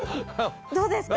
どうですか？